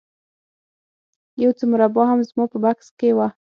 یو څه مربا هم زما په بکس کې وه